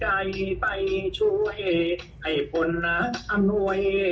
ให้ช่วยให้คนรักอำนวย